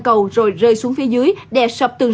và rơi xuống dưới đèn sọc tường